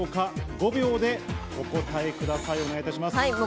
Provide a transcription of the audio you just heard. ５秒でお答えください。